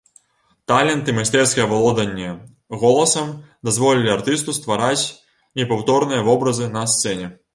Талент і майстэрскае валоданне голасам дазволілі артысту ствараць непаўторныя вобразы на сцэне.